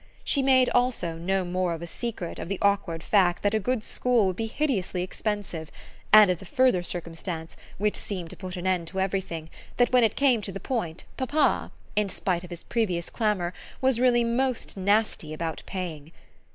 She made also no more of a secret of the awkward fact that a good school would be hideously expensive, and of the further circumstance, which seemed to put an end to everything, that when it came to the point papa, in spite of his previous clamour, was really most nasty about paying.